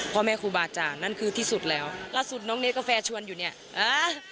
พ่อแม่ครูบาอาจารย์นั่นคือที่สุดแล้วล่าสุดน้องเนสกาแฟชวนอยู่เนี่ยอ่า